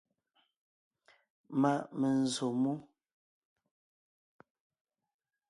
Ma’ menzsǒ mú.